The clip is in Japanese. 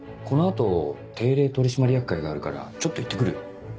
この後定例取締役会があるからちょっと行って来るよ。